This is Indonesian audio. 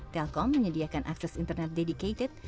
telkom menyediakan akses internet dedicated